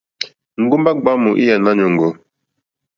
Ŋgombe yà gbàamù lyà Nàanyòŋgò.